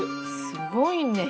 すごいね。